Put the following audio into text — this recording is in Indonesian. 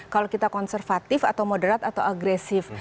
kalau kita konservatif atau moderat atau agresif